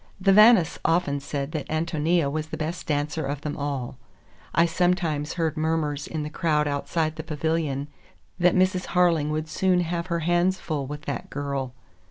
The Vannis often said that Ántonia was the best dancer of them all. I sometimes heard murmurs in the crowd outside the pavilion that Mrs. Harling would soon have her hands full with that girl.